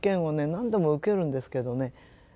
何度も受けるんですけどね